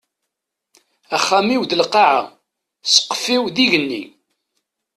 Axxam-iw d lqaɛa, sqef-iw d igenni.